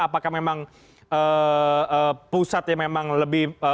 apakah memang pusatnya memang lebih